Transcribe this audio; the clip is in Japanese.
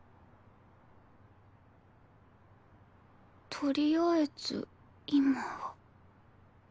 「とりあえず今は」。